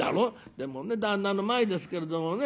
「でもね旦那の前ですけれどもね